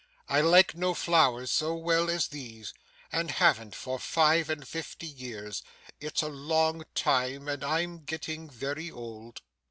'I like no flowers so well as these, and haven't for five and fifty years. It's a long time, and I'm getting very old.